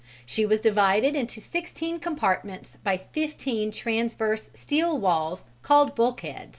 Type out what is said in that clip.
She was divided into sixteen compartments by fifteen transverse steel walls called bulkheads.